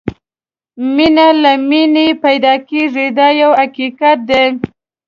مینه له مینې پیدا کېږي دا یو حقیقت دی.